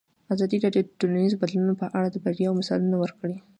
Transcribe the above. ازادي راډیو د ټولنیز بدلون په اړه د بریاوو مثالونه ورکړي.